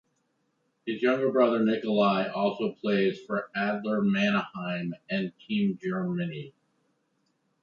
His younger brother Nikolai also plays for Adler Mannheim and Team Germany.